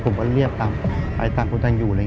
ผมก็เรียบตามไปต่างอยู่